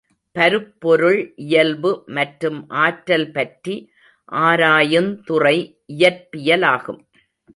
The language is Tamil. பருப்பொருள் இயல்பு மற்றும் ஆற்றல் பற்றி ஆராயுந்துறை இயற்பியலாகும்.